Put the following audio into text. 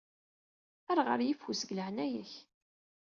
Err ɣer yeffus, deg leɛnaya-k.